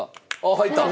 入った。